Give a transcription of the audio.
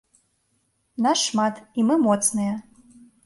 Нас шмат, і мы моцныя.